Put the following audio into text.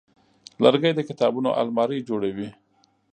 لرګی د کتابونو المارۍ جوړوي.